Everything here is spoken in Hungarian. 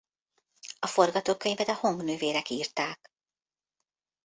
A forgatókönyvet a Hong nővérek írták.